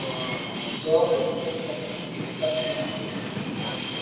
Il forme l'Union Sportive Castres Football.